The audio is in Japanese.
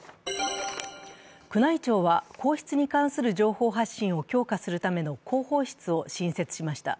宮内庁は皇室に関する情報発信を強化するための広報室を新設しました。